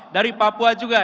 dari papua juga